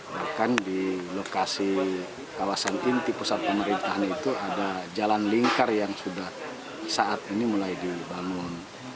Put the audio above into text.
bahkan di lokasi kawasan inti pusat pemerintahan itu ada jalan lingkar yang sudah saat ini mulai dibangun